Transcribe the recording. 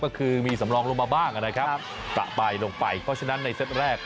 ก็คือมีสำรองลงมาบ้างนะครับประใบลงไปเพราะฉะนั้นในเซตแรก